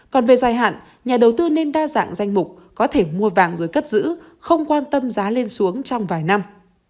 còn về dài hạn nhà đầu tư nên đa dạng danh mục có thể mua vàng rồi cất giữ không quan tâm giá lên xuống trong vài năm